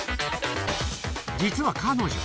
実は彼女。